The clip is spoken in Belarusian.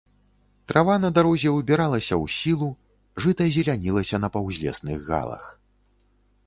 Трава на дарозе ўбіралася ў сілу, жыта зелянілася на паўзлесных галах.